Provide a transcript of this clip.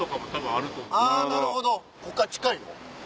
あぁなるほどこっから近いの？